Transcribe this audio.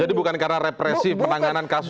jadi bukan karena represi penanganan kasus